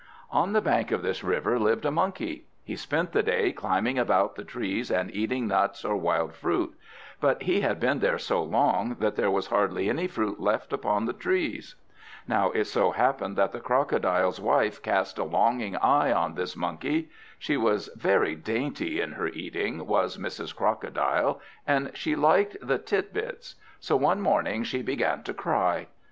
On the bank of this river lived a monkey. He spent the day climbing about the trees, and eating nuts or wild fruit; but he had been there so long, that there was hardly any fruit left upon the trees. Now it so happened that the crocodile's wife cast a longing eye on this Monkey. She was very dainty in her eating, was Mrs. Crocodile, and she liked the tit bits. So one morning she began to cry.